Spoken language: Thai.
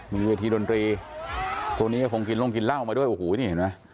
มีเวทีดนตรีพวกนี้ก็คงกินลงกินเหล้ามาด้วยโอ้โหนี่เห็นไหม